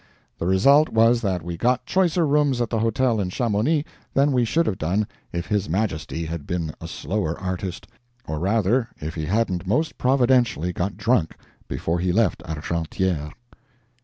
The result was that we got choicer rooms at the hotel in Chamonix than we should have done if his majesty had been a slower artist or rather, if he hadn't most providentially got drunk before he left Argentière.